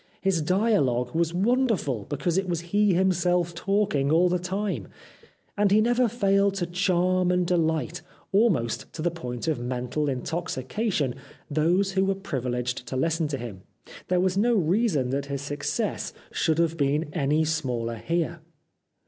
His dialogue was wonderful because it was he himself talking all the time. As he never failed to charm and de light, almost to the point of mental intoxication, those who were privileged to listen to him, there was no reason that his success should have been X 321 The Life of Oscar Wilde any smaller here.